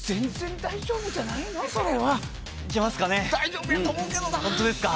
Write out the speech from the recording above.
大丈夫やと思うけどな。